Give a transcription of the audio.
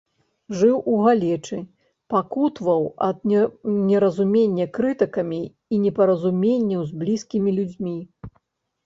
Жыў у галечы, пакутаваў ад неразумення крытыкамі і непаразуменняў з блізкімі людзьмі.